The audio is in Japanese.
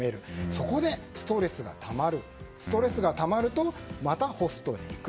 そこで、ストレスがたまるストレスがたまるとまたホストに行く。